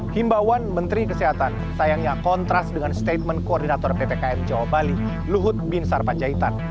himbauan menteri kesehatan sayangnya kontras dengan statement koordinator ppkm jawa bali luhut bin sarpanjaitan